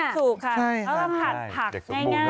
สุกครับ